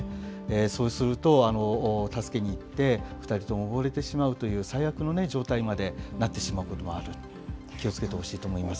そうすると助けに行って、２人とも溺れてしまうという最悪の状態にまでなってしまうこともある、気をつけてほしいと思います。